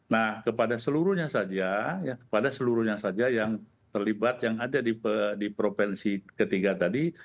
nah kepada seluruhnya saja ya kepada seluruhnya saja yang terlibat yang ada di provinsi ketiga tadi